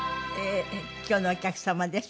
今日のお客様です。